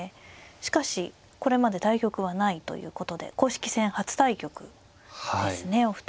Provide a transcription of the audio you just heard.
しかしこれまで対局はないということで公式戦初対局ですねお二人は。